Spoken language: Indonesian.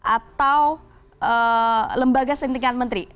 atau lembaga sentingan menteri